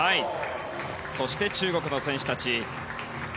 そして中国の選手たち。